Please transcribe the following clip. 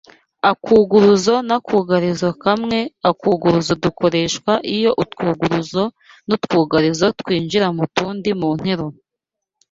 Akuguruzo n’akugarizo kamwe Akuguruzo dukoreshwa iyo utwuguruzo n’utwugarizo twinjira mu tundi mu nteruro